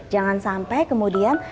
jangan sampai kemudian